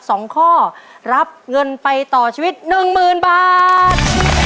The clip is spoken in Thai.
สองข้อรับเงินไปต่อชีวิตหนึ่งหมื่นบาท